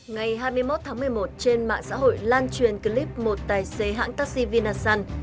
ngày hai mươi một tháng một mươi một trên mạng xã hội lan truyền clip một tài xế hãng taxi vinasun